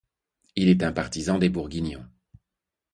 Il est un partisan des Bourguignons.